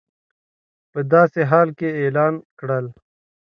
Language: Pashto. په داسې حال کې اعلان کړل